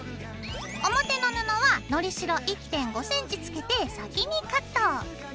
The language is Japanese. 表の布はのりしろ１．５ｃｍつけて先にカット。